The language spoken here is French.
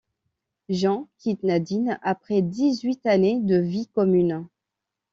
Jean quitte Nadine après dix-huit années de vie commune.